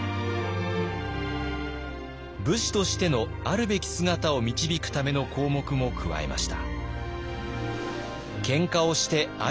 武士としてのあるべき姿を導くための項目も加えました。